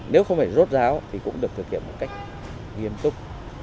nếu không phải rốt ráo thì cũng được thực hiện một cách nghiêm túc